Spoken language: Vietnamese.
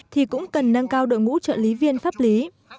thì cũng cần nâng cao đội ngũ trợ lý viên pháp lý